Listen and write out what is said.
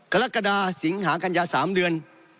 กรกฎาสิงหากัญญา๓เดือน